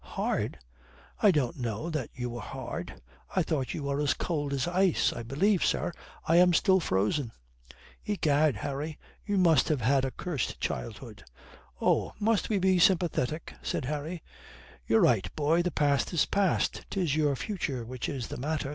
"Hard? I don't know that you were hard. I thought you were as cold as ice. I believe, sir, I am still frozen." "Egad, Harry, you must have had a curst childhood." "Oh, must we be sympathetic?" said Harry. "You're right, boy. The past is past. 'Tis your future which is the matter.